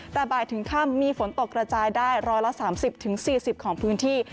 แต่บ่ายถึงค่ำมีฝนตกกระจายได้๑๓๐๔๐ของพื้นที่